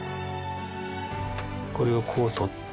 これをこう取って。